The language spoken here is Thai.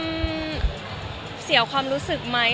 มันทำให้เราเสียความรู้สึกไหม